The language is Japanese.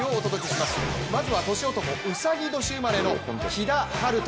まずは年男、うさぎ年生まれの木田晴斗！